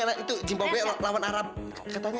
sampai jumpa lagi